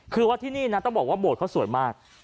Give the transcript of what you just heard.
คือว่าที่นี่นะต้องบอกว่าโบสถเขาสวยมาก